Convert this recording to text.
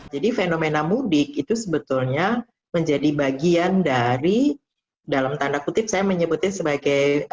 jadi fenomena mudik itu sebetulnya menjadi bagian dari dalam tanda kutip saya menyebutnya sebagai